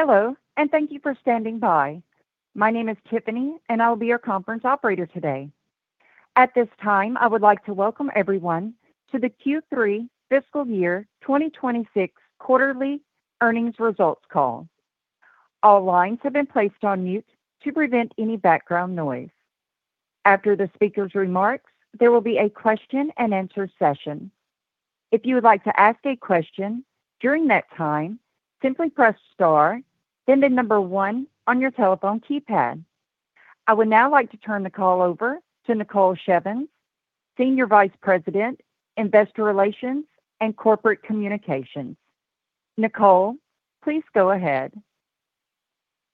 Hello, and thank you for standing by. My name is Tiffany, and I'll be your conference operator today. At this time, I would like to welcome everyone to the Q3 fiscal year 2026 quarterly earnings results call. All lines have been placed on mute to prevent any background noise. After the speaker's remarks, there will be a question-and-answer session. If you would like to ask a question during that time, simply press star, then the number 1 on your telephone keypad. I would now like to turn the call over to Nicole Shevins, Senior Vice President, Investor Relations and Corporate Communications. Nicole, please go ahead.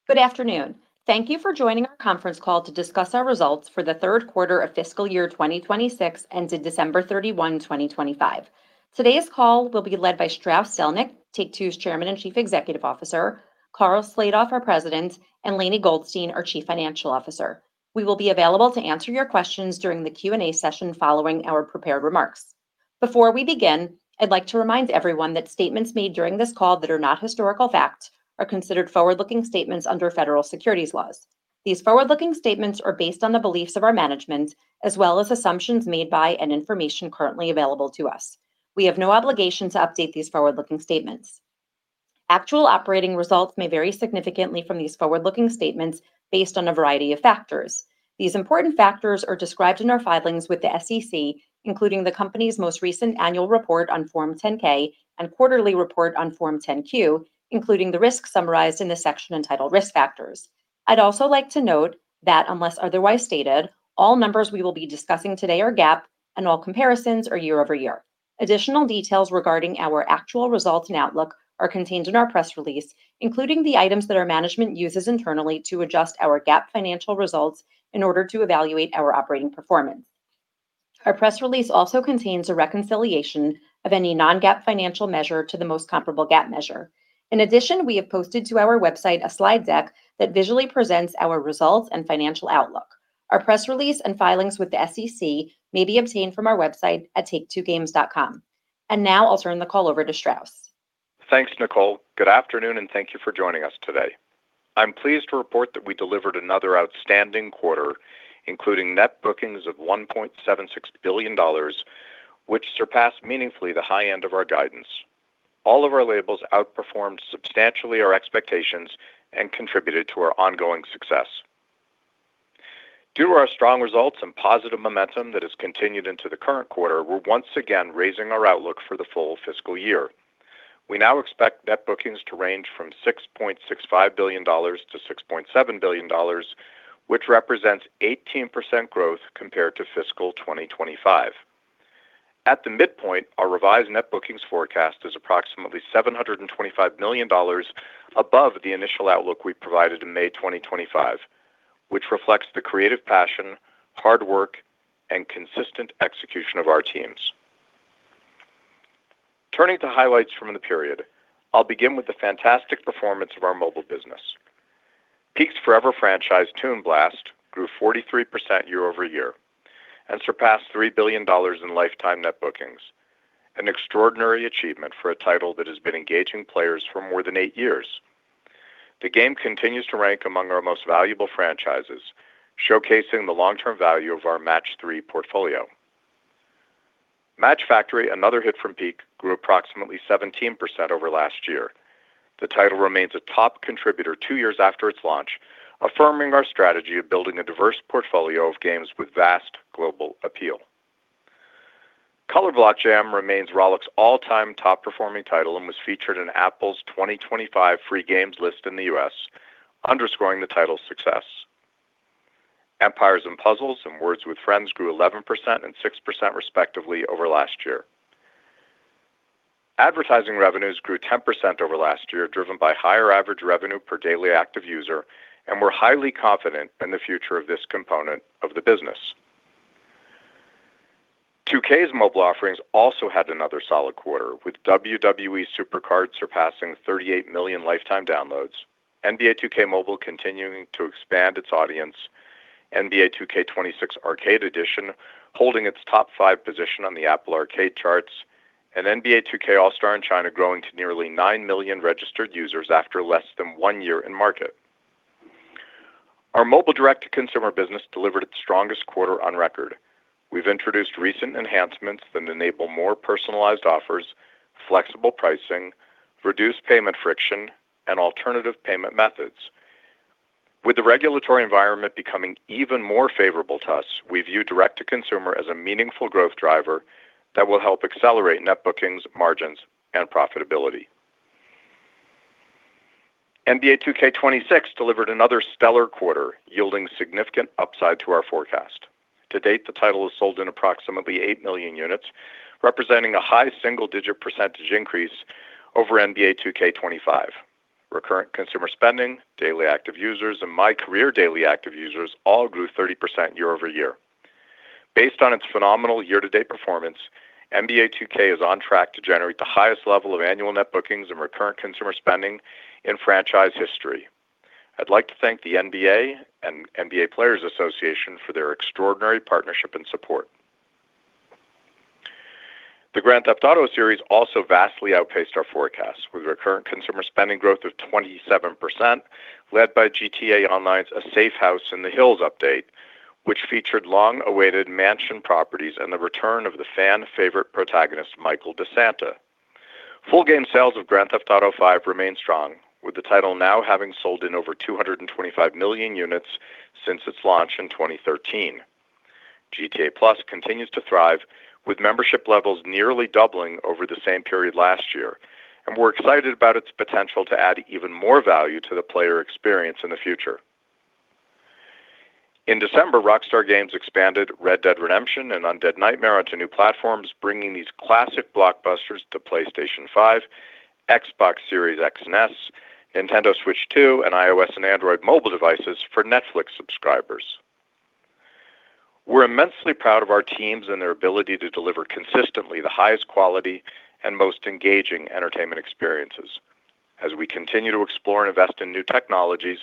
Good afternoon. Thank you for joining our conference call to discuss our results for the third quarter of fiscal year 2026 ends in December 31, 2025. Today's call will be led by Strauss Zelnick, Take-Two's Chairman and Chief Executive Officer, Karl Slatoff, our President, and Lainie Goldstein, our Chief Financial Officer. We will be available to answer your questions during the Q&A session following our prepared remarks. Before we begin, I'd like to remind everyone that statements made during this call that are not historical facts are considered forward-looking statements under federal securities laws. These forward-looking statements are based on the beliefs of our management as well as assumptions made by and information currently available to us. We have no obligation to update these forward-looking statements. Actual operating results may vary significantly from these forward-looking statements based on a variety of factors. These important factors are described in our filings with the SEC, including the company's most recent annual report on Form 10-K and quarterly report on Form 10-Q, including the risks summarized in the section entitled Risk Factors. I'd also like to note that, unless otherwise stated, all numbers we will be discussing today are GAAP, and all comparisons are year-over-year. Additional details regarding our actual results and outlook are contained in our press release, including the items that our management uses internally to adjust our GAAP financial results in order to evaluate our operating performance. Our press release also contains a reconciliation of any non-GAAP financial measure to the most comparable GAAP measure. In addition, we have posted to our website a slide deck that visually presents our results and financial outlook. Our press release and filings with the SEC may be obtained from our website at take2games.com. Now I'll turn the call over to Strauss. Thanks, Nicole. Good afternoon, and thank you for joining us today. I'm pleased to report that we delivered another outstanding quarter, including net bookings of $1.76 billion, which surpassed meaningfully the high end of our guidance. All of our labels outperformed substantially our expectations and contributed to our ongoing success. Due to our strong results and positive momentum that has continued into the current quarter, we're once again raising our outlook for the full fiscal year. We now expect net bookings to range from $6.65 billion-$6.7 billion, which represents 18% growth compared to fiscal 2025. At the midpoint, our revised net bookings forecast is approximately $725 million above the initial outlook we provided in May 2025, which reflects the creative passion, hard work, and consistent execution of our teams. Turning to highlights from the period, I'll begin with the fantastic performance of our mobile business. Peak's Forever franchise Toon Blast grew 43% year-over-year and surpassed $3 billion in lifetime net bookings, an extraordinary achievement for a title that has been engaging players for more than eight years. The game continues to rank among our most valuable franchises, showcasing the long-term value of our Match-3 portfolio. Match Factory, another hit from Peak, grew approximately 17% over last year. The title remains a top contributor two years after its launch, affirming our strategy of building a diverse portfolio of games with vast global appeal. Color Block Jam remains Rollic's all-time top-performing title and was featured in Apple's 2025 Free Games list in the US, underscoring the title's success. Empires & Puzzles and Words With Friends grew 11% and 6% respectively over last year. Advertising revenues grew 10% over last year, driven by higher average revenue per daily active user, and we're highly confident in the future of this component of the business. 2K's mobile offerings also had another solid quarter, with WWE SuperCard surpassing 38 million lifetime downloads, NBA 2K Mobile continuing to expand its audience, NBA 2K26 Arcade Edition holding its top five position on the Apple Arcade charts, and NBA 2K All-Star in China growing to nearly 9 million registered users after less than one year in market. Our mobile direct-to-consumer business delivered its strongest quarter on record. We've introduced recent enhancements that enable more personalized offers, flexible pricing, reduced payment friction, and alternative payment methods. With the regulatory environment becoming even more favorable to us, we view direct-to-consumer as a meaningful growth driver that will help accelerate net bookings, margins, and profitability. NBA 2K26 delivered another stellar quarter, yielding significant upside to our forecast. To date, the title has sold in approximately 8 million units, representing a high single-digit percentage increase over NBA 2K25. Recurrent consumer spending, daily active users, and MyCareer daily active users all grew 30% year-over-year. Based on its phenomenal year-to-date performance, NBA 2K is on track to generate the highest level of annual net bookings and recurrent consumer spending in franchise history. I'd like to thank the NBA and NBA Players Association for their extraordinary partnership and support. The Grand Theft Auto series also vastly outpaced our forecasts, with recurrent consumer spending growth of 27% led by GTA Online's A Safe House in the Hills update, which featured long-awaited mansion properties and the return of the fan-favorite protagonist Michael De Santa. Full game sales of Grand Theft Auto V remain strong, with the title now having sold in over 225 million units since its launch in 2013. GTA+ continues to thrive, with membership levels nearly doubling over the same period last year, and we're excited about its potential to add even more value to the player experience in the future. In December, Rockstar Games expanded Red Dead Redemption and Undead Nightmare onto new platforms, bringing these classic blockbusters to PlayStation 5, Xbox Series X and S, Nintendo Switch 2, and iOS and Android mobile devices for Netflix subscribers. We're immensely proud of our teams and their ability to deliver consistently the highest quality and most engaging entertainment experiences. As we continue to explore and invest in new technologies,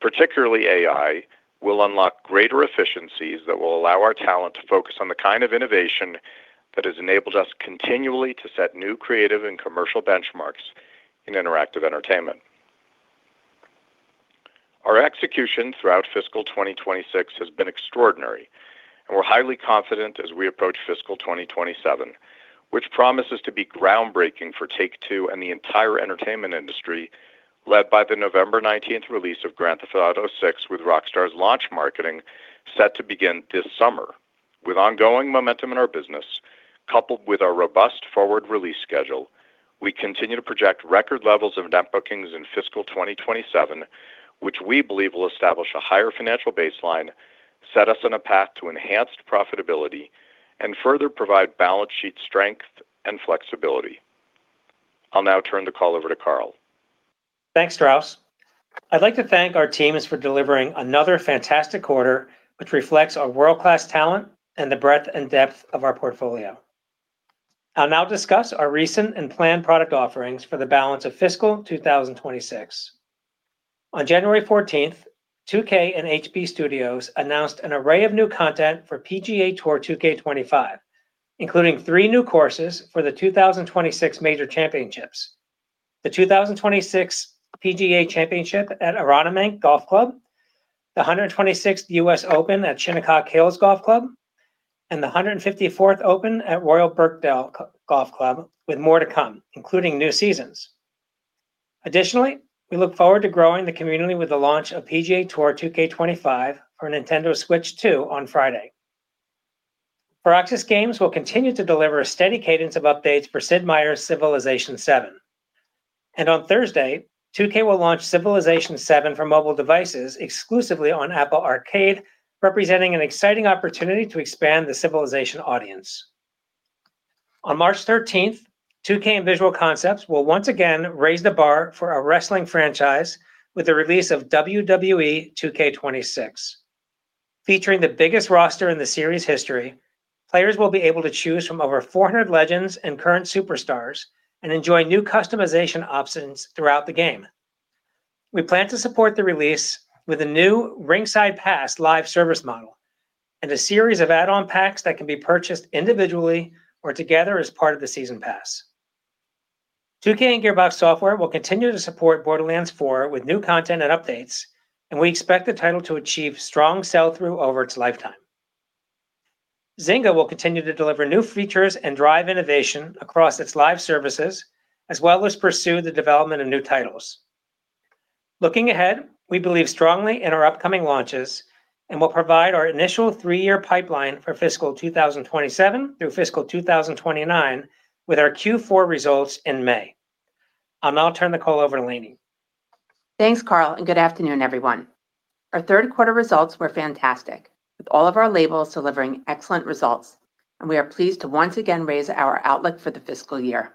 particularly AI, we'll unlock greater efficiencies that will allow our talent to focus on the kind of innovation that has enabled us continually to set new creative and commercial benchmarks in interactive entertainment. Our execution throughout fiscal 2026 has been extraordinary, and we're highly confident as we approach fiscal 2027, which promises to be groundbreaking for Take-Two and the entire entertainment industry, led by the November 19th release of Grand Theft Auto VI with Rockstar's launch marketing set to begin this summer. With ongoing momentum in our business coupled with our robust forward release schedule, we continue to project record levels of net bookings in fiscal 2027, which we believe will establish a higher financial baseline, set us on a path to enhanced profitability, and further provide balance sheet strength and flexibility. I'll now turn the call over to Karl. Thanks, Strauss. I'd like to thank our teams for delivering another fantastic quarter, which reflects our world-class talent and the breadth and depth of our portfolio. I'll now discuss our recent and planned product offerings for the balance of fiscal 2026. On January 14th, 2K and HB Studios announced an array of new content for PGA TOUR 2K25, including three new courses for the 2026 major championships: the 2026 PGA Championship at Aronimink Golf Club, the 126th U.S. Open at Shinnecock Hills Golf Club, and the 154th Open at Royal Birkdale Golf Club, with more to come, including new seasons. Additionally, we look forward to growing the community with the launch of PGA TOUR 2K25 for Nintendo Switch 2 on Friday. Firaxis Games will continue to deliver a steady cadence of updates for Sid Meier's Civilization VII. On Thursday, 2K will launch Civilization VII for mobile devices exclusively on Apple Arcade, representing an exciting opportunity to expand the Civilization audience. On March 13th, 2K and Visual Concepts will once again raise the bar for a wrestling franchise with the release of WWE 2K26. Featuring the biggest roster in the series history, players will be able to choose from over 400 legends and current superstars and enjoy new customization options throughout the game. We plan to support the release with a new Ringside Pass live service model and a series of add-on packs that can be purchased individually or together as part of the season pass. 2K and Gearbox Software will continue to support Borderlands 4 with new content and updates, and we expect the title to achieve strong sell-through over its lifetime. Zynga will continue to deliver new features and drive innovation across its live services, as well as pursue the development of new titles. Looking ahead, we believe strongly in our upcoming launches and will provide our initial three-year pipeline for fiscal 2027 through fiscal 2029 with our Q4 results in May. I'll now turn the call over to Lainie. Thanks, Karl, and good afternoon, everyone. Our third quarter results were fantastic, with all of our labels delivering excellent results, and we are pleased to once again raise our outlook for the fiscal year.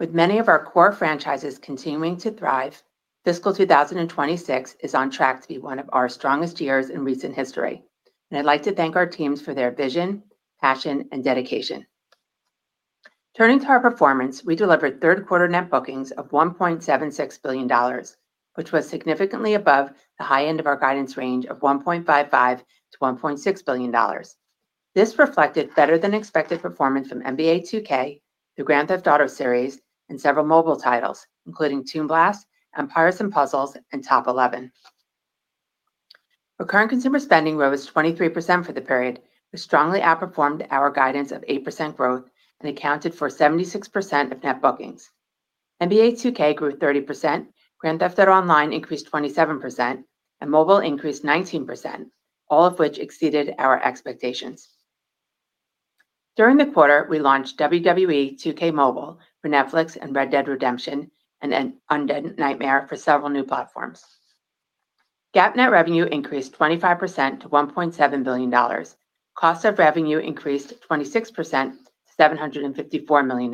With many of our core franchises continuing to thrive, fiscal 2026 is on track to be one of our strongest years in recent history, and I'd like to thank our teams for their vision, passion, and dedication. Turning to our performance, we delivered third quarter net bookings of $1.76 billion, which was significantly above the high end of our guidance range of $1.55-$1.6 billion. This reflected better-than-expected performance from NBA 2K, the Grand Theft Auto series, and several mobile titles, including Toon Blast, Empires & Puzzles, and Top Eleven. Recurrent consumer spending rose 23% for the period, which strongly outperformed our guidance of 8% growth and accounted for 76% of net bookings. NBA 2K grew 30%, Grand Theft Auto Online increased 27%, and mobile increased 19%, all of which exceeded our expectations. During the quarter, we launched WWE 2K Mobile for Netflix and Red Dead Redemption and Undead Nightmare for several new platforms. GAAP net revenue increased 25% to $1.7 billion, cost of revenue increased 26% to $754 million,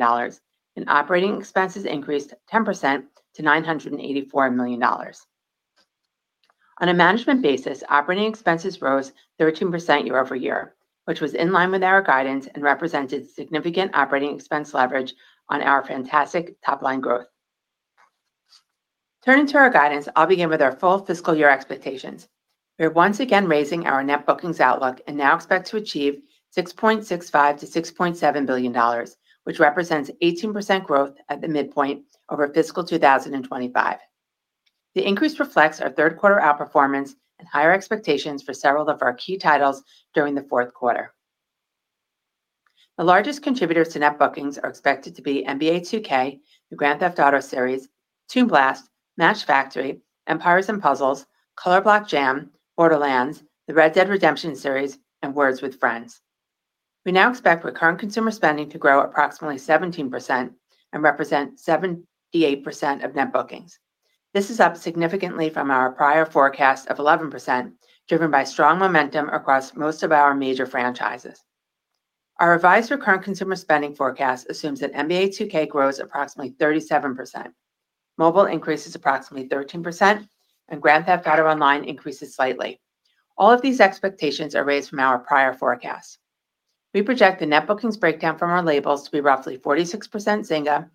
and operating expenses increased 10% to $984 million. On a management basis, operating expenses rose 13% year-over-year, which was in line with our guidance and represented significant operating expense leverage on our fantastic top-line growth. Turning to our guidance, I'll begin with our full fiscal year expectations. We are once again raising our net bookings outlook and now expect to achieve $6.65-$6.7 billion, which represents 18% growth at the midpoint over fiscal 2025. The increase reflects our third quarter outperformance and higher expectations for several of our key titles during the fourth quarter. The largest contributors to net bookings are expected to be NBA 2K, the Grand Theft Auto series, Toon Blast, Match Factory, Empires & Puzzles, Color Block Jam, Borderlands, the Red Dead Redemption series, and Words With Friends. We now expect recurrent consumer spending to grow approximately 17% and represent 78% of net bookings. This is up significantly from our prior forecast of 11%, driven by strong momentum across most of our major franchises. Our revised recurrent consumer spending forecast assumes that NBA 2K grows approximately 37%, mobile increases approximately 13%, and Grand Theft Auto Online increases slightly. All of these expectations are raised from our prior forecast. We project the net bookings breakdown from our labels to be roughly 46% Zynga,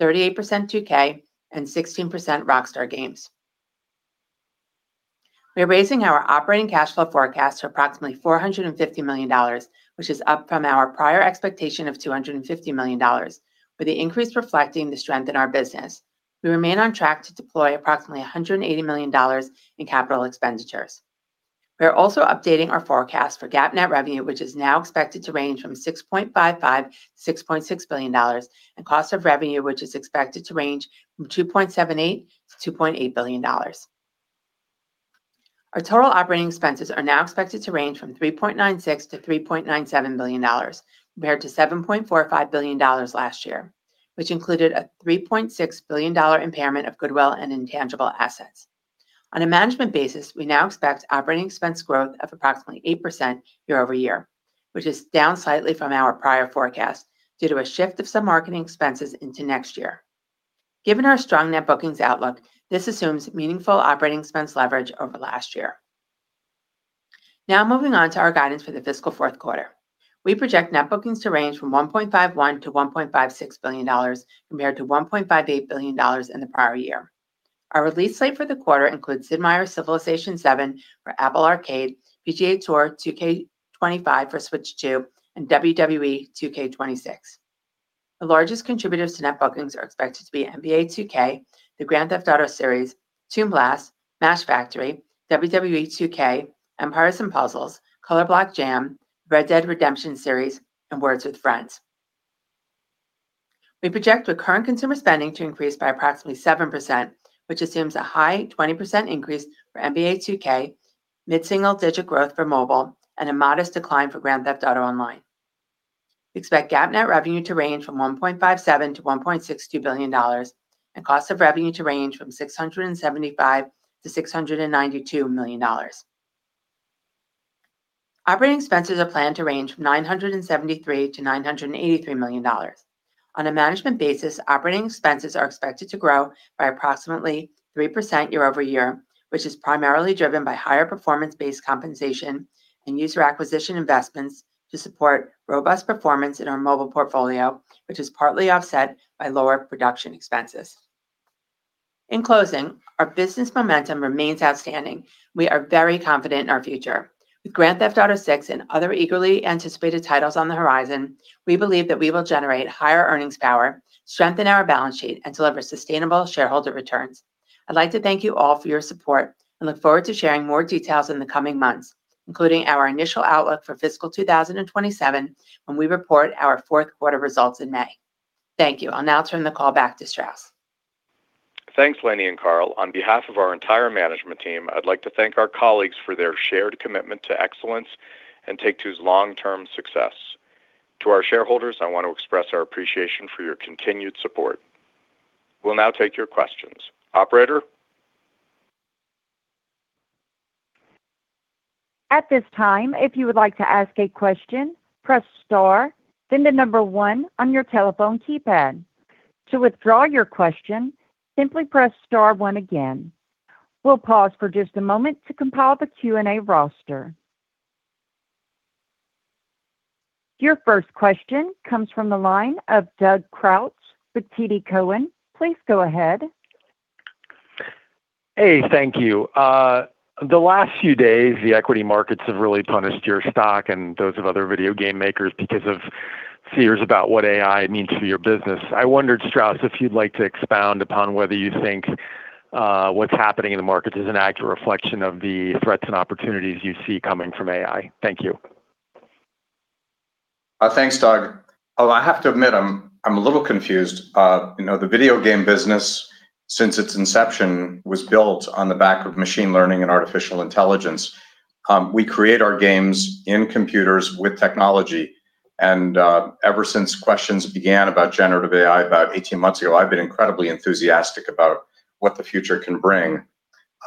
38% 2K, and 16% Rockstar Games. We are raising our operating cash flow forecast to approximately $450 million, which is up from our prior expectation of $250 million, with the increase reflecting the strength in our business. We remain on track to deploy approximately $180 million in capital expenditures. We are also updating our forecast for GAAP net revenue, which is now expected to range from $6.55-$6.6 billion, and cost of revenue, which is expected to range from $2.78-$2.8 billion. Our total operating expenses are now expected to range from $3.96-$3.97 billion compared to $7.45 billion last year, which included a $3.6 billion impairment of goodwill and intangible assets. On a management basis, we now expect operating expense growth of approximately 8% year-over-year, which is down slightly from our prior forecast due to a shift of some marketing expenses into next year. Given our strong net bookings outlook, this assumes meaningful operating expense leverage over last year. Now moving on to our guidance for the fiscal fourth quarter. We project net bookings to range from $1.51-$1.56 billion compared to $1.58 billion in the prior year. Our release slate for the quarter includes Sid Meier's Civilization VII for Apple Arcade, PGA TOUR 2K25 for Switch 2, and WWE 2K26. The largest contributors to net bookings are expected to be NBA 2K, the Grand Theft Auto series, Toon Blast, Match Factory, WWE 2K, Empires & Puzzles, Color Block Jam, Red Dead Redemption series, and Words With Friends. We project recurrent consumer spending to increase by approximately 7%, which assumes a high 20% increase for NBA 2K, mid-single-digit growth for mobile, and a modest decline for Grand Theft Auto Online. We expect GAAP net revenue to range from $1.57-$1.62 billion, and cost of revenue to range from $675-$692 million. Operating expenses are planned to range from $973-$983 million. On a management basis, operating expenses are expected to grow by approximately 3% year-over-year, which is primarily driven by higher performance-based compensation and user acquisition investments to support robust performance in our mobile portfolio, which is partly offset by lower production expenses. In closing, our business momentum remains outstanding, and we are very confident in our future. With Grand Theft Auto VI and other eagerly anticipated titles on the horizon, we believe that we will generate higher earnings power, strengthen our balance sheet, and deliver sustainable shareholder returns. I'd like to thank you all for your support and look forward to sharing more details in the coming months, including our initial outlook for fiscal 2027 when we report our fourth quarter results in May. Thank you. I'll now turn the call back to Strauss. Thanks, Lainie and Karl. On behalf of our entire management team, I'd like to thank our colleagues for their shared commitment to excellence and Take-Two's long-term success. To our shareholders, I want to express our appreciation for your continued support. We'll now take your questions. Operator? At this time, if you would like to ask a question, press star, then the number one on your telephone keypad. To withdraw your question, simply press star one again. We'll pause for just a moment to compile the Q&A roster. Your first question comes from the line of Doug Creutz with TD Cowen. Please go ahead. Hey, thank you. The last few days, the equity markets have really punished your stock and those of other video game makers because of fears about what AI means for your business. I wondered, Strauss, if you'd like to expound upon whether you think what's happening in the markets is an accurate reflection of the threats and opportunities you see coming from AI. Thank you. Thanks, Doug. I have to admit, I'm a little confused. The video game business, since its inception, was built on the back of machine learning and artificial intelligence. We create our games in computers with technology. And ever since questions began about generative AI about 18 months ago, I've been incredibly enthusiastic about what the future can bring.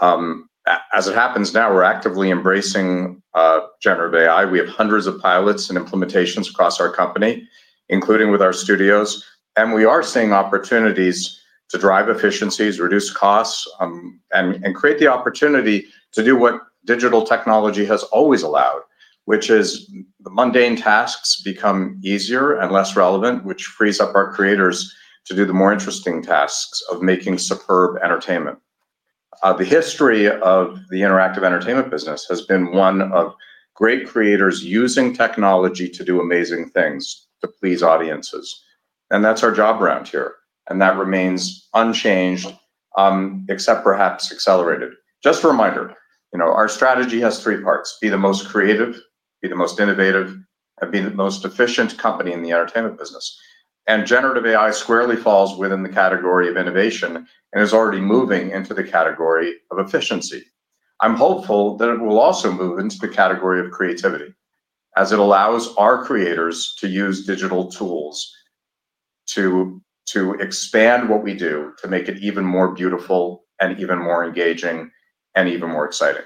As it happens now, we're actively embracing generative AI. We have hundreds of pilots and implementations across our company, including with our studios. And we are seeing opportunities to drive efficiencies, reduce costs, and create the opportunity to do what digital technology has always allowed, which is the mundane tasks become easier and less relevant, which frees up our creators to do the more interesting tasks of making superb entertainment. The history of the interactive entertainment business has been one of great creators using technology to do amazing things to please audiences. That's our job around here. That remains unchanged, except perhaps accelerated. Just a reminder, our strategy has three parts: be the most creative, be the most innovative, and be the most efficient company in the entertainment business. Generative AI squarely falls within the category of innovation and is already moving into the category of efficiency. I'm hopeful that it will also move into the category of creativity as it allows our creators to use digital tools to expand what we do to make it even more beautiful and even more engaging and even more exciting.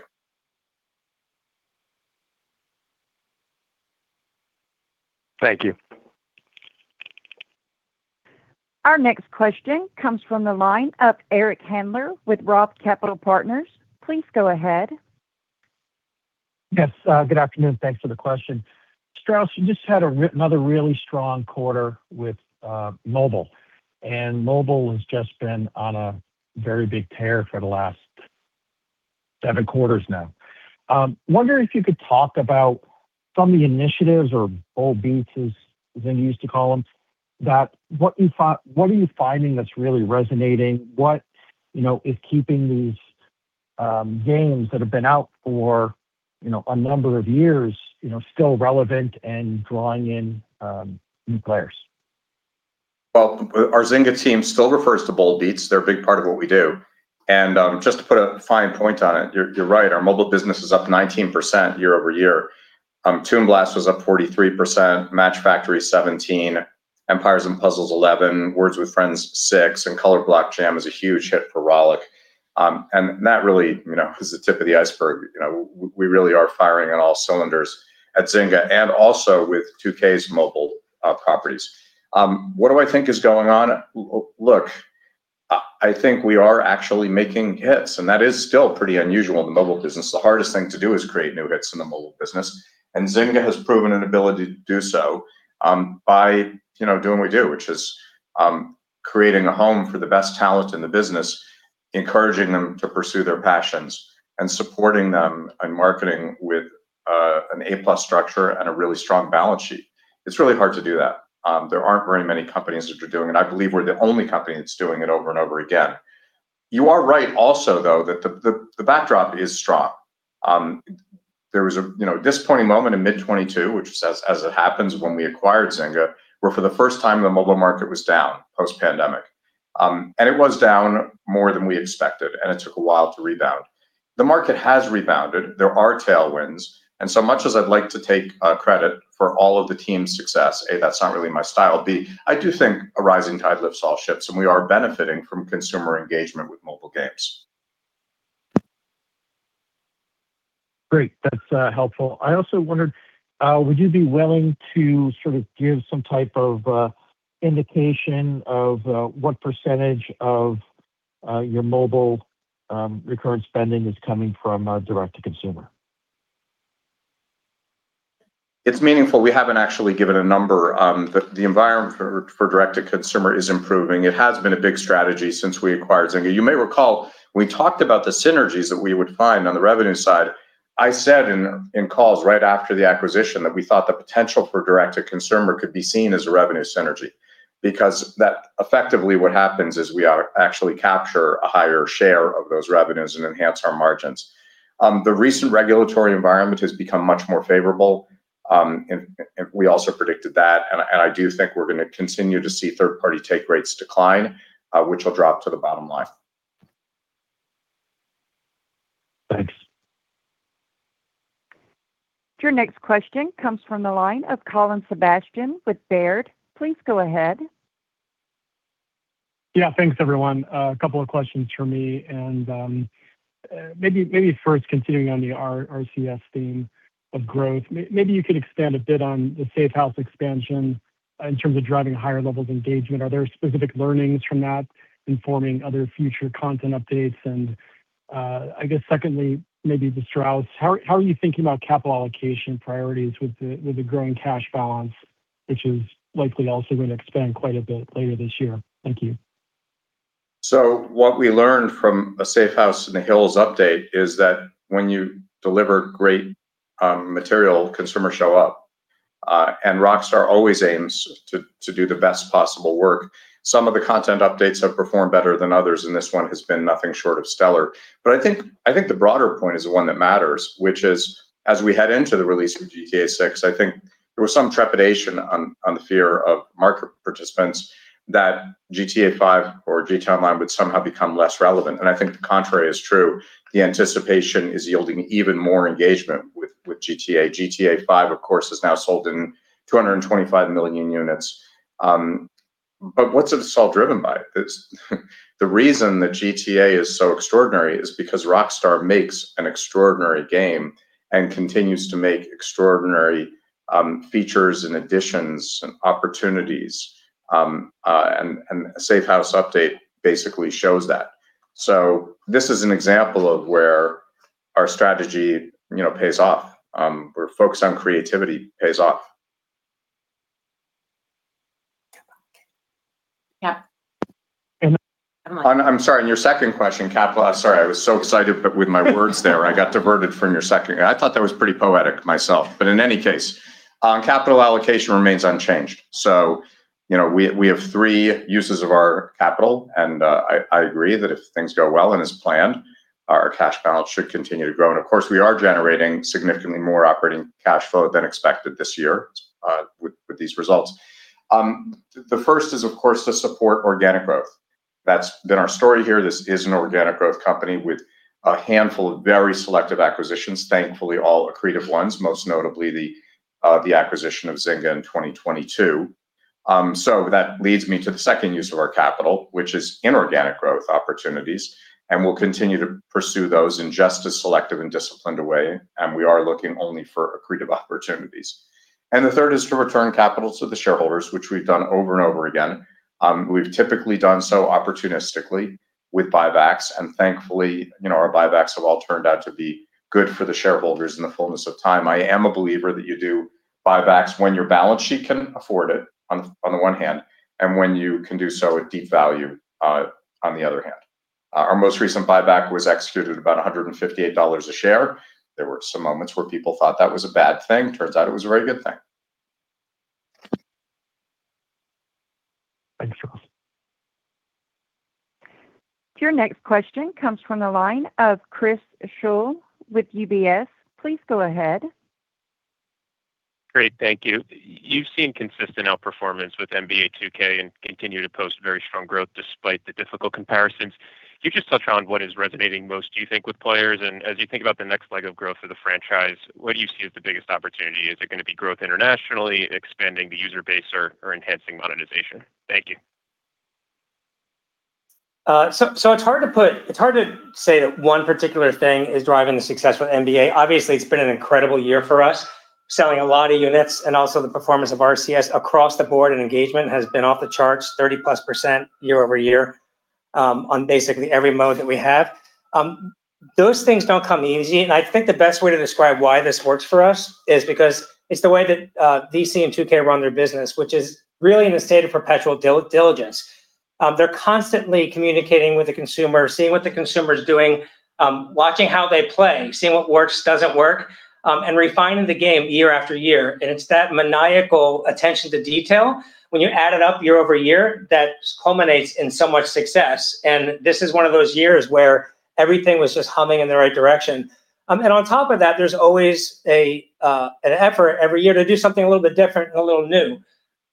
Thank you. Our next question comes from the line of Eric Handler with Roth Capital Partners. Please go ahead. Yes. Good afternoon. Thanks for the question. Strauss, we just had another really strong quarter with mobile. Mobile has just been on a very big tear for the last seven quarters now. Wondering if you could talk about some of the initiatives or bold bets, as they used to call them. What are you finding that's really resonating? What is keeping these games that have been out for a number of years still relevant and drawing in new players? Well, our Zynga team still refers to bold beats. They're a big part of what we do. Just to put a fine point on it, you're right. Our mobile business is up 19% year-over-year. Toon Blast was up 43%, Match Factory 17%, Empires and Puzzles 11%, Words With Friends 6%, and Color Block Jam is a huge hit for Rollic. That really is the tip of the iceberg. We really are firing on all cylinders at Zynga and also with 2K's mobile properties. What do I think is going on? Look, I think we are actually making hits. That is still pretty unusual in the mobile business. The hardest thing to do is create new hits in the mobile business. Zynga has proven an ability to do so by doing what we do, which is creating a home for the best talent in the business, encouraging them to pursue their passions, and supporting them in marketing with an A-plus structure and a really strong balance sheet. It's really hard to do that. There aren't very many companies that are doing it. And I believe we're the only company that's doing it over and over again. You are right also, though, that the backdrop is strong. There was a disappointing moment in mid-2022, which is, as it happens, when we acquired Zynga, where for the first time, the mobile market was down post-pandemic. And it was down more than we expected. And it took a while to rebound. The market has rebounded. There are tailwinds. As much as I'd like to take credit for all of the team's success, A, that's not really my style. B, I do think a rising tide lifts all ships. We are benefiting from consumer engagement with mobile games. Great. That's helpful. I also wondered, would you be willing to sort of give some type of indication of what percentage of your mobile recurrent spending is coming from direct-to-consumer? It's meaningful. We haven't actually given a number. The environment for direct-to-consumer is improving. It has been a big strategy since we acquired Zynga. You may recall when we talked about the synergies that we would find on the revenue side, I said in calls right after the acquisition that we thought the potential for direct-to-consumer could be seen as a revenue synergy because effectively, what happens is we actually capture a higher share of those revenues and enhance our margins. The recent regulatory environment has become much more favorable. We also predicted that. And I do think we're going to continue to see third-party take rates decline, which will drop to the bottom line. Thanks. Your next question comes from the line of Colin Sebastian with Baird. Please go ahead. Yeah. Thanks, everyone. A couple of questions for me. And maybe first, continuing on the RCS theme of growth, maybe you could expand a bit on the safe house expansion in terms of driving higher levels of engagement. Are there specific learnings from that informing other future content updates? And I guess, secondly, maybe to Strauss, how are you thinking about capital allocation priorities with the growing cash balance, which is likely also going to expand quite a bit later this year? Thank you. So what we learned from A Safe House in the Hills update is that when you deliver great material, consumers show up. And Rockstar always aims to do the best possible work. Some of the content updates have performed better than others. And this one has been nothing short of stellar. But I think the broader point is the one that matters, which is, as we head into the release of GTA 6, I think there was some trepidation on the fear of market participants that GTA 5 or GTA Online would somehow become less relevant. And I think the contrary is true. The anticipation is yielding even more engagement with GTA. GTA 5, of course, is now sold in 225 million units. But what's it all driven by? The reason that GTA is so extraordinary is because Rockstar makes an extraordinary game and continues to make extraordinary features and additions and opportunities. A safe house update basically shows that. This is an example of where our strategy pays off, where focus on creativity pays off. Yep. I'm sorry. Your second question, capital—sorry, I was so excited with my words there. I got diverted from your second. I thought that was pretty poetic myself. But in any case, capital allocation remains unchanged. We have three uses of our capital. I agree that if things go well and as planned, our cash balance should continue to grow. Of course, we are generating significantly more operating cash flow than expected this year with these results. The first is, of course, to support organic growth. That's been our story here. This is an organic growth company with a handful of very selective acquisitions, thankfully all accretive ones, most notably the acquisition of Zynga in 2022. That leads me to the second use of our capital, which is inorganic growth opportunities. We'll continue to pursue those in just as selective and disciplined a way. We are looking only for accretive opportunities. And the third is to return capital to the shareholders, which we've done over and over again. We've typically done so opportunistically with buybacks. And thankfully, our buybacks have all turned out to be good for the shareholders in the fullness of time. I am a believer that you do buybacks when your balance sheet can afford it on the one hand and when you can do so at deep value on the other hand. Our most recent buyback was executed at about $158 a share. There were some moments where people thought that was a bad thing. Turns out it was a very good thing. Thanks, Strauss. Your next question comes from the line of Chris Shull with UBS. Please go ahead. Great. Thank you. You've seen consistent outperformance with NBA 2K and continue to post very strong growth despite the difficult comparisons. You just told Sean what is resonating most, do you think, with players? And as you think about the next leg of growth for the franchise, what do you see as the biggest opportunity? Is it going to be growth internationally, expanding the user base, or enhancing monetization? Thank you. It's hard to say that one particular thing is driving the success with NBA. Obviously, it's been an incredible year for us, selling a lot of units. And also, the performance of RCS across the board and engagement has been off the charts, 30%+ year-over-year on basically every mode that we have. Those things don't come easy. And I think the best way to describe why this works for us is because it's the way that DC and 2K run their business, which is really in a state of perpetual diligence. They're constantly communicating with the consumer, seeing what the consumer is doing, watching how they play, seeing what works, doesn't work, and refining the game year after year. And it's that maniacal attention to detail when you add it up year-over-year that culminates in so much success. And this is one of those years where everything was just humming in the right direction. And on top of that, there's always an effort every year to do something a little bit different and a little new.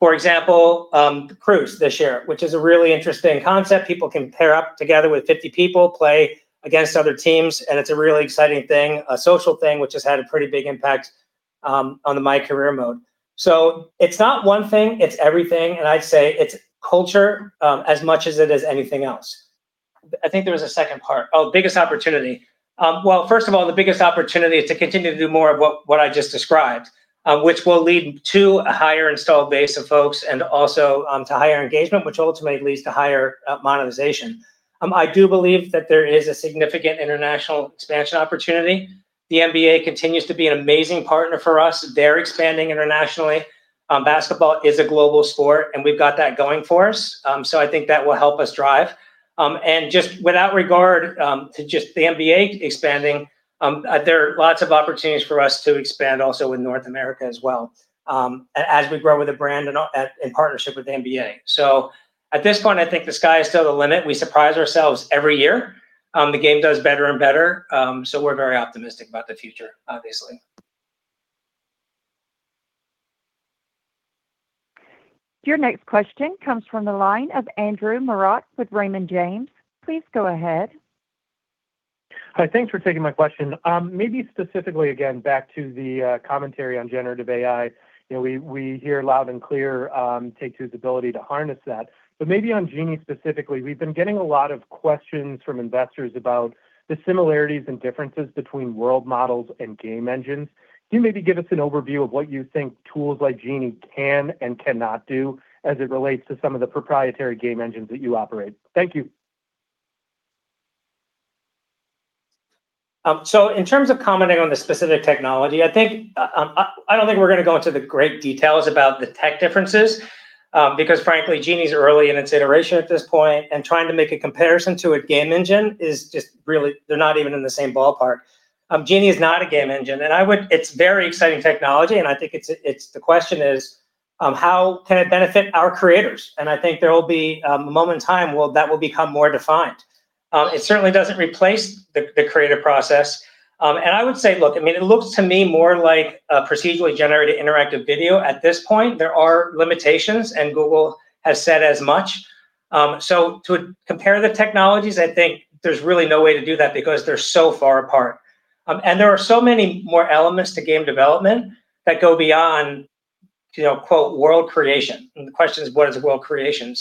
For example, The Cruise this year, which is a really interesting concept. People can pair up together with 50 people, play against other teams. And it's a really exciting thing, a social thing, which has had a pretty big impact on the MyCAREER mode. So it's not one thing. It's everything. And I'd say it's culture as much as it is anything else. I think there was a second part. Oh, biggest opportunity. Well, first of all, the biggest opportunity is to continue to do more of what I just described, which will lead to a higher installed base of folks and also to higher engagement, which ultimately leads to higher monetization. I do believe that there is a significant international expansion opportunity. The NBA continues to be an amazing partner for us. They're expanding internationally. Basketball is a global sport. And we've got that going for us. So I think that will help us drive. And just without regard to just the NBA expanding, there are lots of opportunities for us to expand also in North America as well as we grow with the brand in partnership with the NBA. So at this point, I think the sky is still the limit. We surprise ourselves every year. The game does better and better. So we're very optimistic about the future, obviously. Your next question comes from the line of Andrew Marok with Raymond James. Please go ahead. Thanks for taking my question. Maybe specifically, again, back to the commentary on generative AI. We hear loud and clear Take-Two's ability to harness that. But maybe on Genie specifically, we've been getting a lot of questions from investors about the similarities and differences between world models and game engines. Can you maybe give us an overview of what you think tools like Genie can and cannot do as it relates to some of the proprietary game engines that you operate? Thank you. So in terms of commenting on the specific technology, I don't think we're going to go into the great details about the tech differences because, frankly, Genie's early in its iteration at this point. And trying to make a comparison to a game engine is just really they're not even in the same ballpark. Genie is not a game engine. And it's very exciting technology. And I think the question is, how can it benefit our creators? And I think there will be a moment in time that will become more defined. It certainly doesn't replace the creative process. And I would say, look, I mean, it looks to me more like a procedurally generated interactive video. At this point, there are limitations. And Google has said as much. So to compare the technologies, I think there's really no way to do that because they're so far apart. There are so many more elements to game development that go beyond "world creation." The question is, what is world creation?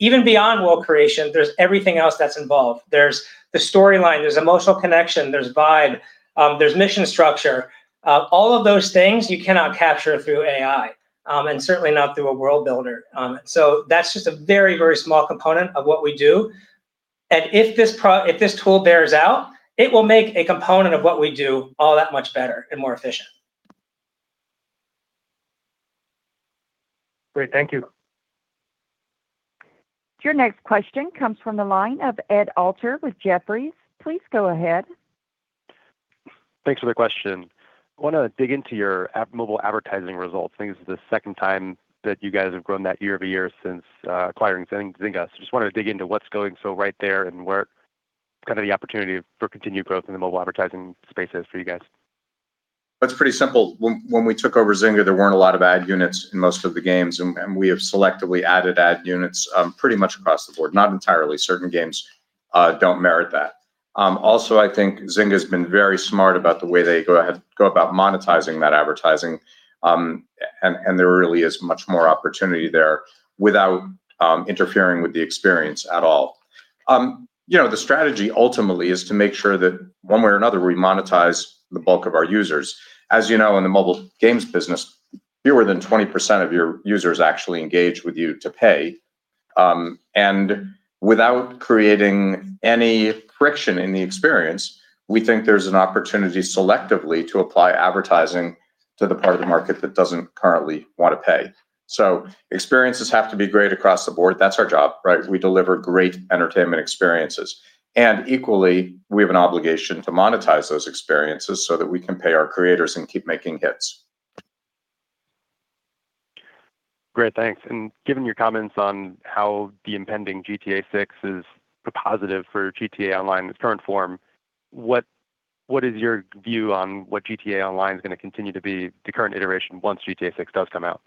Even beyond world creation, there's everything else that's involved. There's the storyline. There's emotional connection. There's vibe. There's mission structure. All of those things, you cannot capture through AI and certainly not through a world builder. So that's just a very, very small component of what we do. If this tool bears out, it will make a component of what we do all that much better and more efficient. Great. Thank you. Your next question comes from the line of Ed Alter with Jefferies. Please go ahead. Thanks for the question. I want to dig into your mobile advertising results. I think this is the second time that you guys have grown that year-over-year since acquiring Zynga. So I just wanted to dig into what's going so right there and what kind of the opportunity for continued growth in the mobile advertising space is for you guys. That's pretty simple. When we took over Zynga, there weren't a lot of ad units in most of the games. We have selectively added ad units pretty much across the board, not entirely. Certain games don't merit that. Also, I think Zynga has been very smart about the way they go about monetizing that advertising. There really is much more opportunity there without interfering with the experience at all. The strategy ultimately is to make sure that one way or another, we monetize the bulk of our users. As you know, in the mobile games business, fewer than 20% of your users actually engage with you to pay. Without creating any friction in the experience, we think there's an opportunity selectively to apply advertising to the part of the market that doesn't currently want to pay. Experiences have to be great across the board. That's our job, right? We deliver great entertainment experiences. We have an obligation to monetize those experiences so that we can pay our creators and keep making hits. Great. Thanks. Given your comments on how the impending GTA 6 is positive for GTA Online in its current form, what is your view on what GTA Online is going to continue to be the current iteration once GTA 6 does come out?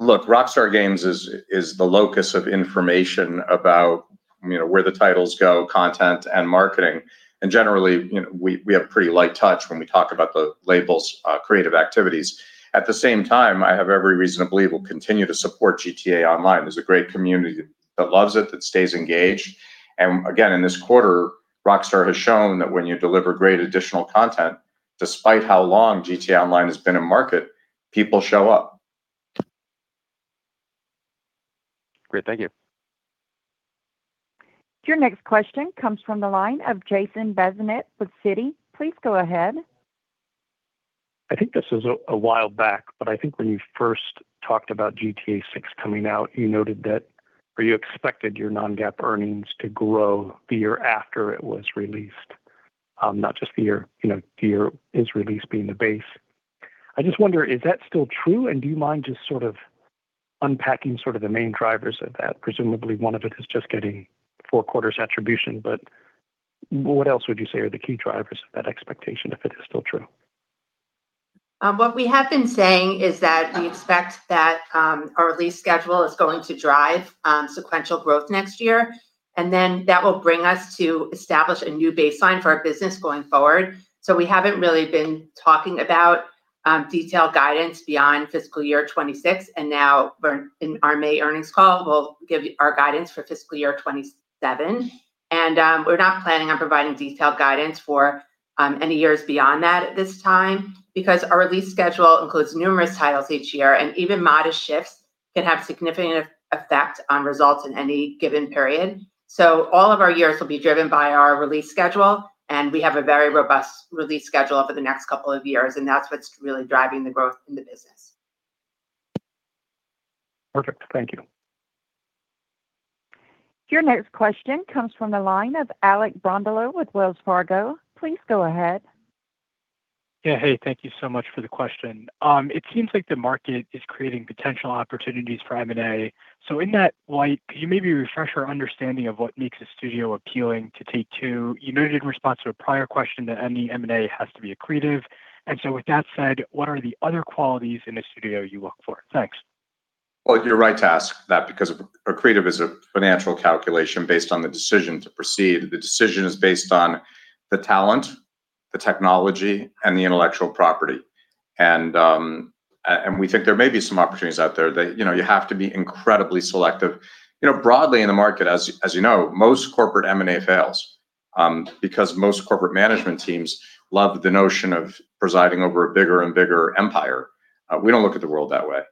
Look, Rockstar Games is the locus of information about where the titles go, content, and marketing. Generally, we have a pretty light touch when we talk about the label's creative activities. At the same time, I have every reason to believe we'll continue to support GTA Online. There's a great community that loves it, that stays engaged. Again, in this quarter, Rockstar has shown that when you deliver great additional content, despite how long GTA Online has been in market, people show up. Great. Thank you. Your next question comes from the line of Jason Bazinet with Citi. Please go ahead. I think this is a while back. But I think when you first talked about GTA 6 coming out, you noted that or you expected your non-GAAP earnings to grow the year after it was released, not just the year the year is released being the base. I just wonder, is that still true? And do you mind just sort of unpacking sort of the main drivers of that? Presumably, one of it is just getting 4-quarters attribution. But what else would you say are the key drivers of that expectation if it is still true? What we have been saying is that we expect that our release schedule is going to drive sequential growth next year. Then that will bring us to establish a new baseline for our business going forward. We haven't really been talking about detailed guidance beyond fiscal year 2026. Now, in our May earnings call, we'll give our guidance for fiscal year 2027. We're not planning on providing detailed guidance for any years beyond that at this time because our release schedule includes numerous titles each year. Even modest shifts can have significant effect on results in any given period. All of our years will be driven by our release schedule. We have a very robust release schedule over the next couple of years. That's what's really driving the growth in the business. Perfect. Thank you. Your next question comes from the line of Alec Brondolo with Wells Fargo. Please go ahead. Yeah. Hey. Thank you so much for the question. It seems like the market is creating potential opportunities for M&A. So in that light, can you maybe refresh our understanding of what makes a studio appealing to Take-Two? You noted in response to a prior question that any M&A has to be accretive. And so with that said, what are the other qualities in a studio you look for? Thanks. Well, you're right to ask that because accretive is a financial calculation based on the decision to proceed. The decision is based on the talent, the technology, and the intellectual property. We think there may be some opportunities out there. You have to be incredibly selective. Broadly, in the market, as you know, most corporate M&A fails because most corporate management teams love the notion of presiding over a bigger and bigger empire. We don't look at the world that way.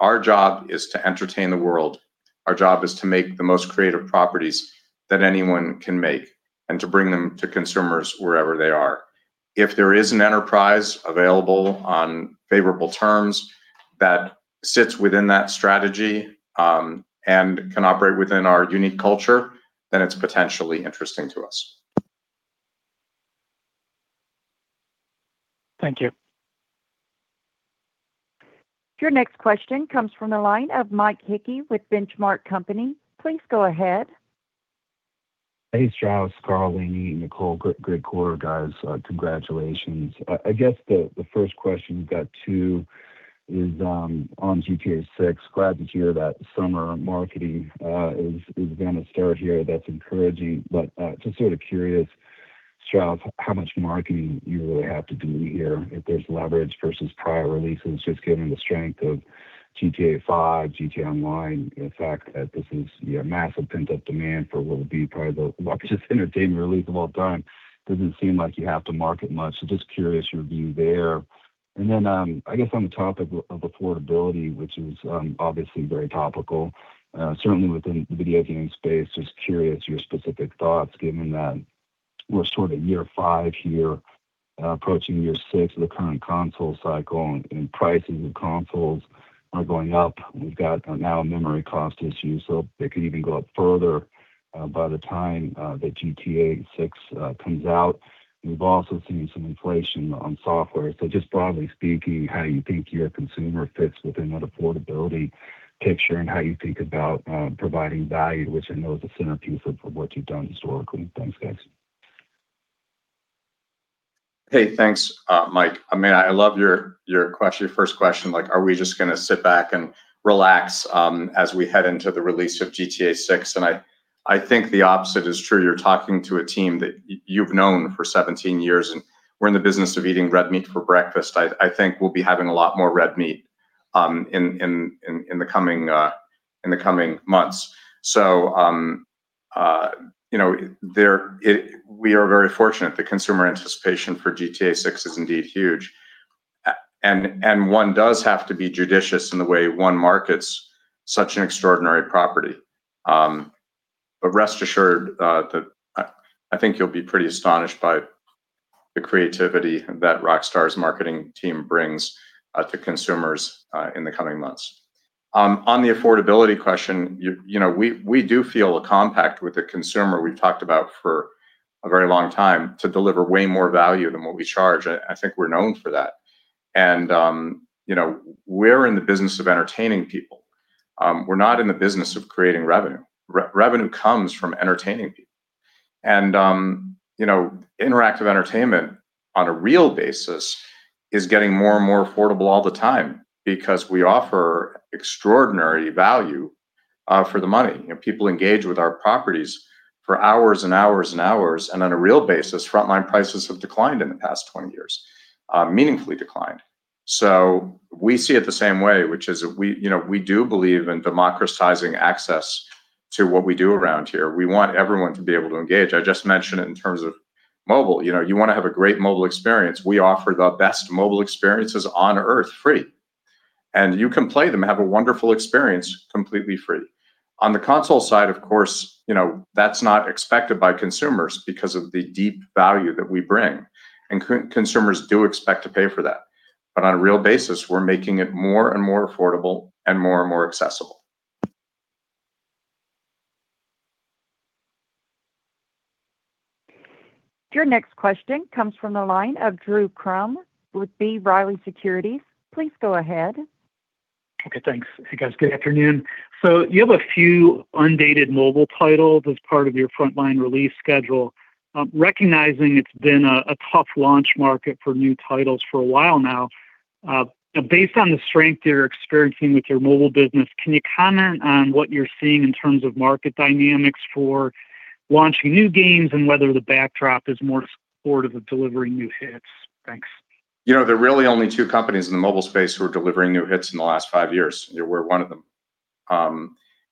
Our job is to entertain the world. Our job is to make the most creative properties that anyone can make and to bring them to consumers wherever they are. If there is an enterprise available on favorable terms that sits within that strategy and can operate within our unique culture, then it's potentially interesting to us. Thank you. Your next question comes from the line of Mike Hickey with The Benchmark Company. Please go ahead. Hey, Strauss, Karl, Lainie, Nicole, great quarter, guys. Congratulations. I guess the first question you've got too is on GTA 6. Glad to hear that summer marketing is going to start here. That's encouraging. But just sort of curious, Strauss, how much marketing you really have to do here if there's leverage versus prior releases just given the strength of GTA 5, GTA Online, the fact that this is massive pent-up demand for what will be probably the largest entertainment release of all time. It doesn't seem like you have to market much. So just curious your view there. And then I guess on the topic of affordability, which is obviously very topical, certainly within the video game space, just curious your specific thoughts given that we're sort of year five here, approaching year six of the current console cycle, and prices of consoles are going up. We've got now a memory cost issue. So they could even go up further by the time that GTA 6 comes out. We've also seen some inflation on software. So just broadly speaking, how you think your consumer fits within that affordability picture and how you think about providing value, which I know is a centerpiece of what you've done historically? Thanks, guys. Hey. Thanks, Mike. I mean, I love your first question. Are we just going to sit back and relax as we head into the release of GTA VI? I think the opposite is true. You're talking to a team that you've known for 17 years. We're in the business of eating red meat for breakfast. I think we'll be having a lot more red meat in the coming months. We are very fortunate. The consumer anticipation for GTA VI is indeed huge. One does have to be judicious in the way one markets such an extraordinary property. Rest assured that I think you'll be pretty astonished by the creativity that Rockstar's marketing team brings to consumers in the coming months. On the affordability question, we do feel a compact with the consumer we've talked about for a very long time to deliver way more value than what we charge. I think we're known for that. We're in the business of entertaining people. We're not in the business of creating revenue. Revenue comes from entertaining people. Interactive entertainment on a real basis is getting more and more affordable all the time because we offer extraordinary value for the money. People engage with our properties for hours and hours and hours. On a real basis, frontline prices have declined in the past 20 years, meaningfully declined. We see it the same way, which is we do believe in democratizing access to what we do around here. We want everyone to be able to engage. I just mentioned it in terms of mobile. You want to have a great mobile experience. We offer the best mobile experiences on Earth free. You can play them and have a wonderful experience completely free. On the console side, of course, that's not expected by consumers because of the deep value that we bring. And consumers do expect to pay for that. But on a real basis, we're making it more and more affordable and more and more accessible. Your next question comes from the line of Drew Crum with B. Riley Securities. Please go ahead. Okay. Thanks, guys. Good afternoon. So you have a few undated mobile titles as part of your frontline release schedule. Recognizing it's been a tough launch market for new titles for a while now, based on the strength you're experiencing with your mobile business, can you comment on what you're seeing in terms of market dynamics for launching new games and whether the backdrop is more supportive of delivering new hits? Thanks. There are really only two companies in the mobile space who are delivering new hits in the last 5 years. We're one of them.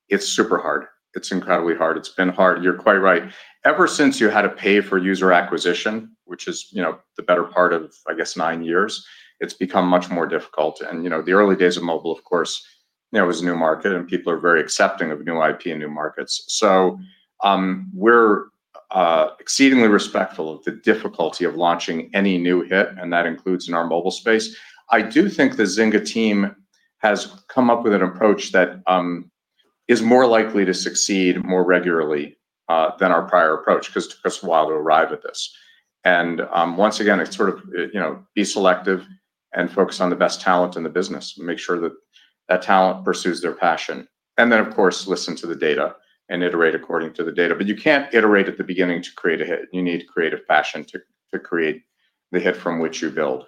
It's super hard. It's incredibly hard. It's been hard. You're quite right. Ever since you had to pay for user acquisition, which is the better part of, I guess, nine years, it's become much more difficult. The early days of mobile, of course, it was a new market. People are very accepting of new IP and new markets. We're exceedingly respectful of the difficulty of launching any new hit. That includes in our mobile space. I do think the Zynga team has come up with an approach that is more likely to succeed more regularly than our prior approach because it took us a while to arrive at this. Once again, it's sort of be selective and focus on the best talent in the business. Make sure that that talent pursues their passion. Then, of course, listen to the data and iterate according to the data. But you can't iterate at the beginning to create a hit. You need creative passion to create the hit from which you build.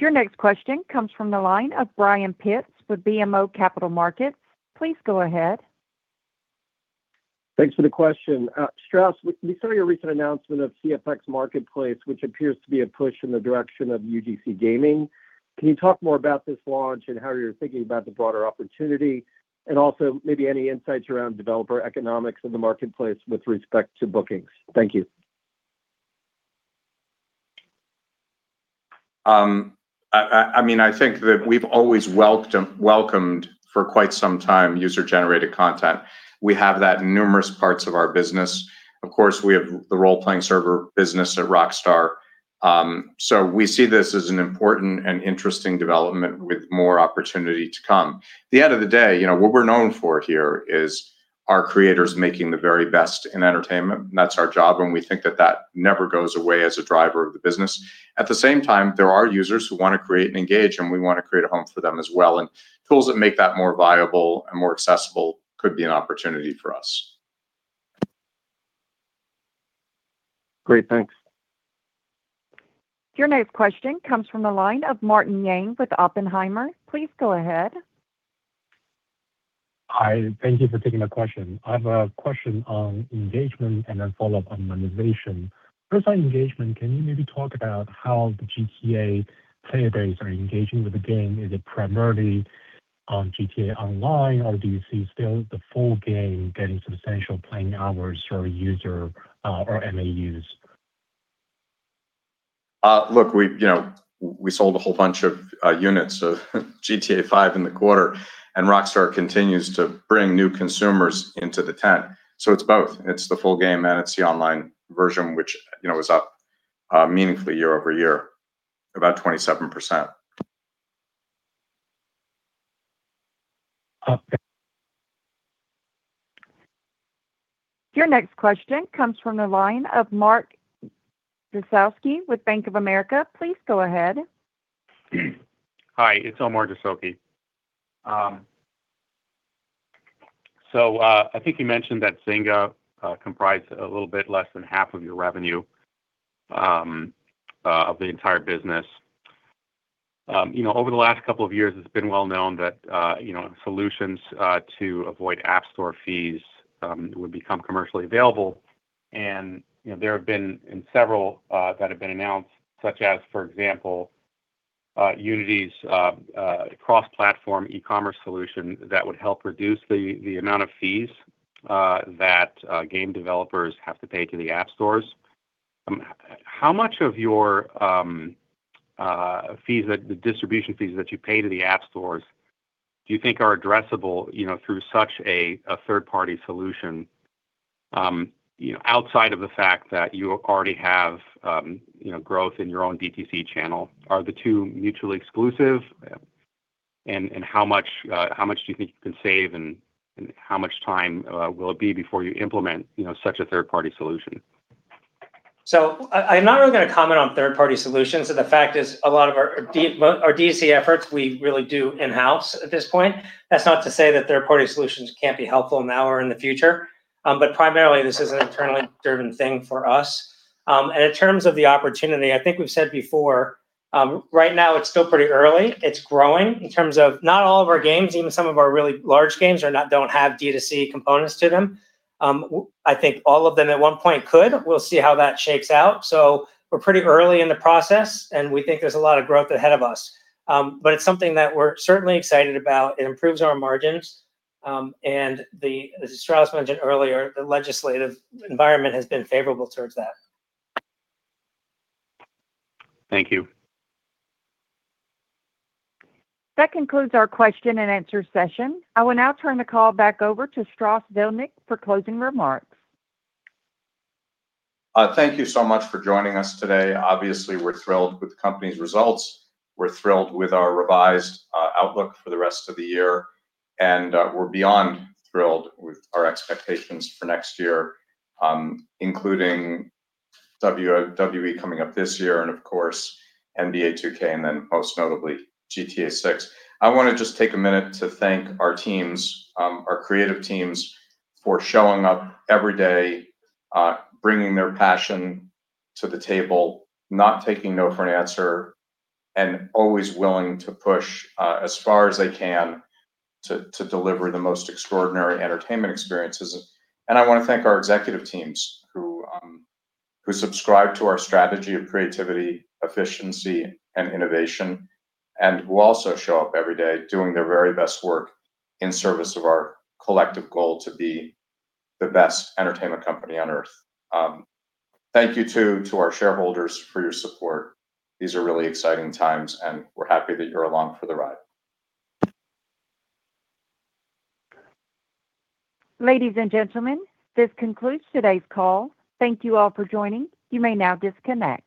Your next question comes from the line of Brian Pitz with BMO Capital Markets. Please go ahead. Thanks for the question. Strauss, we saw your recent announcement of CFX Marketplace, which appears to be a push in the direction of UGC Gaming. Can you talk more about this launch and how you're thinking about the broader opportunity and also maybe any insights around developer economics in the marketplace with respect to bookings? Thank you. I mean, I think that we've always welcomed for quite some time user-generated content. We have that in numerous parts of our business. Of course, we have the role-playing server business at Rockstar. So we see this as an important and interesting development with more opportunity to come. At the end of the day, what we're known for here is our creators making the very best in entertainment. That's our job. And we think that that never goes away as a driver of the business. At the same time, there are users who want to create and engage. And we want to create a home for them as well. And tools that make that more viable and more accessible could be an opportunity for us. Great. Thanks. Your next question comes from the line of Martin Yang with Oppenheimer. Please go ahead. Hi. Thank you for taking the question. I have a question on engagement and then follow-up on monetization. First on engagement, can you maybe talk about how the GTA player base are engaging with the game? Is it primarily on GTA Online? Or do you see still the full game getting substantial playing hours or user or MAUs? Look, we sold a whole bunch of units of GTA V in the quarter. And Rockstar continues to bring new consumers into the tent. So it's both. It's the full game. And it's the online version, which is up meaningfully year over year, about 27%. Your next question comes from the line of Omar Dessouky with Bank of America. Please go ahead. Hi. It's Omar Dessouky. So I think you mentioned that Zynga comprised a little bit less than half of your revenue of the entire business. Over the last couple of years, it's been well known that solutions to avoid app store fees would become commercially available. And there have been several that have been announced, such as, for example, Unity's cross-platform e-commerce solution that would help reduce the amount of fees that game developers have to pay to the app stores. How much of your distribution fees that you pay to the app stores do you think are addressable through such a third-party solution outside of the fact that you already have growth in your own DTC channel? Are the two mutually exclusive? And how much do you think you can save? And how much time will it be before you implement such a third-party solution? So I'm not really going to comment on third-party solutions. And the fact is, a lot of our DTC efforts, we really do in-house at this point. That's not to say that third-party solutions can't be helpful now or in the future. But primarily, this is an internally-driven thing for us. And in terms of the opportunity, I think we've said before, right now, it's still pretty early. It's growing in terms of not all of our games, even some of our really large games don't have DTC components to them. I think all of them at one point could. We'll see how that shakes out. So we're pretty early in the process. And we think there's a lot of growth ahead of us. But it's something that we're certainly excited about. It improves our margins. And as Strauss mentioned earlier, the legislative environment has been favorable towards that. Thank you. That concludes our question-and-answer session. I will now turn the call back over to Strauss Zelnick for closing remarks. Thank you so much for joining us today. Obviously, we're thrilled with the company's results. We're thrilled with our revised outlook for the rest of the year. We're beyond thrilled with our expectations for next year, including WWE coming up this year and, of course, NBA 2K and then most notably, GTA 6. I want to just take a minute to thank our creative teams for showing up every day, bringing their passion to the table, not taking no for an answer, and always willing to push as far as they can to deliver the most extraordinary entertainment experiences. I want to thank our executive teams who subscribe to our strategy of creativity, efficiency, and innovation and who also show up every day doing their very best work in service of our collective goal to be the best entertainment company on Earth. Thank you to our shareholders for your support. These are really exciting times. We're happy that you're along for the ride. Ladies and gentlemen, this concludes today's call. Thank you all for joining. You may now disconnect.